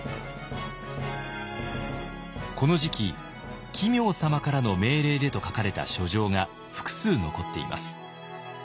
この時期「奇妙様からの命令で」と書かれた書状が複数残っています。